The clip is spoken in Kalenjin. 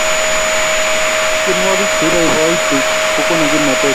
tienwokik che ipoipoiti kokona kimnatet